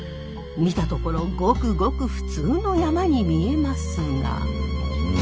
見たところごくごく普通の山に見えますが。